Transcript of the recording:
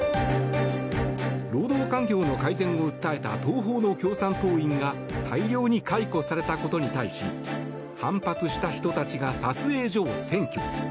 労働環境の改善を訴えた東宝の共産党員が大量に解雇されたことに対し反発した人たちが撮影所を占拠。